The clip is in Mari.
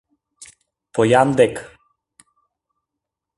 Поян дек